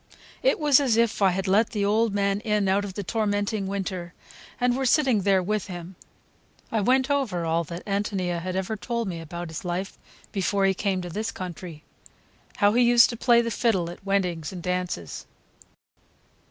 It was as if I had let the old man in out of the tormenting winter, and were sitting there with him. I went over all that Ántonia had ever told me about his life before he came to this country; how he used to play the fiddle at weddings and dances.